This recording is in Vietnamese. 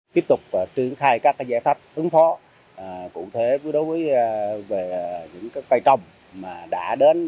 tiếp tục truyền thai các giải pháp ứng phó cụ thể đối với những cây trồng mà đã đến